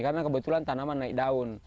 karena kebetulan tanaman naik daun